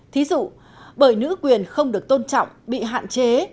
thí dụ bởi nữ quyền không được tôn trọng bị hạn chế